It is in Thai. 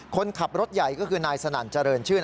คนขับรถใหญ่ก็คือนายสนั่นเจริญชื่น